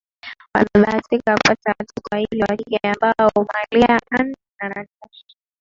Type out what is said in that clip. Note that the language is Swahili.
Wamebahatika kupata watoto wawili wa kike ambao Malia Ann na Natasha